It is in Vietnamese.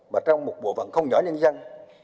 mà trong một bộ phận không nhỏ nhân dân